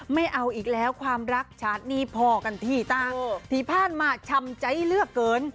ไม่เอาอีกแล้วความรักชาตินี้พอกันที่ตาที่ผ่านมาชำใจเลือกเกิน